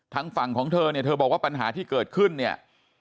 ทางฝั่งของเธอเนี่ยเธอบอกว่าปัญหาที่เกิดขึ้นเนี่ย